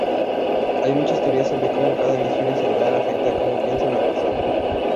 Hay muchas teorías sobre cómo cada hemisferio cerebral afecta a cómo piensa una persona.